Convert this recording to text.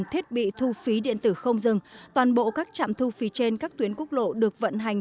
thiết bị thu phí điện tử không dừng toàn bộ các trạm thu phí trên các tuyến quốc lộ được vận hành